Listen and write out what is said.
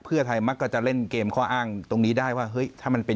เพื่อไทยมักก็จะเล่นเกมข้ออ้างตรงนี้ได้ว่าเฮ้ยถ้ามันเป็น